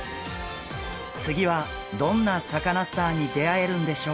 次はどんなサカナスターに出会えるんでしょうか。